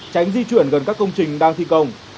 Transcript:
tránh di chuyển gần các công trình đang thi công